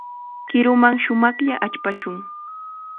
Qiruman shumaqlla achpashun.